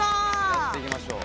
やっていきましょう。